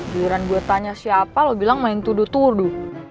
diiran gue tanya siapa lo bilang main tudu tudu